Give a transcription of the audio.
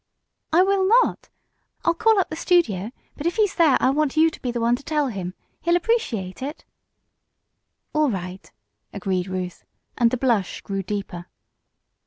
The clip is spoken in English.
"I will not. I'll call up the studio, but if he's there I want you to be the one to tell him. He'll appreciate it." "All right," agreed Ruth, and the blush grew deeper.